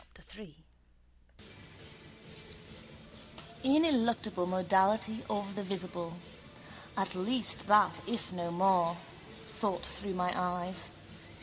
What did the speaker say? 3 ] Ineluctable modality of the visible: at least that if no more, thought through my eyes.